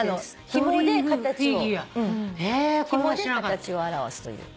ひもで形を表すという。